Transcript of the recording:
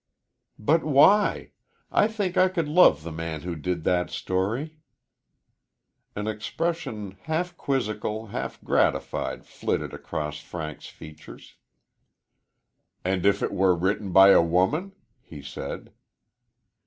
"But why? I think I could love the man who did that story." An expression half quizzical, half gratified, flitted across Frank's features. "And if it were written by a woman?" he said.